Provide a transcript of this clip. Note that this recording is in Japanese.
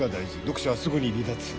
読者はすぐに離脱する。